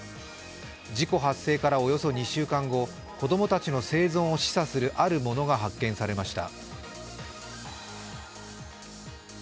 事故発生からおよそ２週間後子供たちの生存を示唆するあるものが発見されました。